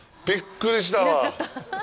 びっくりしたわ。